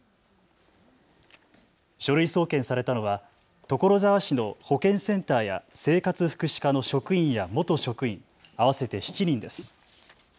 書類送検されたのは所沢市の保健センターや生活福祉課の職員や元職員、合わせて７人です。